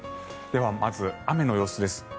ではまず、雨の様子です。